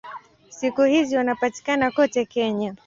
Siku hizi wanapatikana kote Kenya.